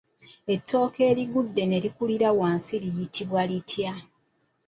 Ettooke erigudde ne likulira wansi liyitibwa litya?